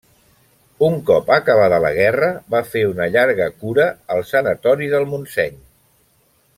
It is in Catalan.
Un cop acabada la guerra va fer una llarga cura al Sanatori del Montseny.